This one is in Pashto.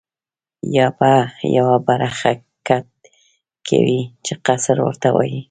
یا به یوه برخه کټ کوې چې قصر ورته وایي.